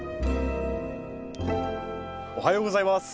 おはようございます。